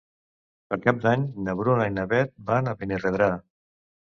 Per Cap d'Any na Bruna i na Beth van a Benirredrà.